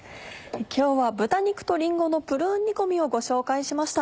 今日は「豚肉とりんごのプルーン煮込み」をご紹介しました。